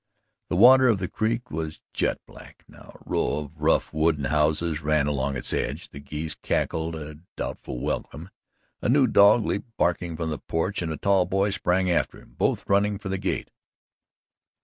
The water of the creek was jet black now. A row of rough wooden houses ran along its edge. The geese cackled a doubtful welcome. A new dog leaped barking from the porch and a tall boy sprang after him both running for the gate.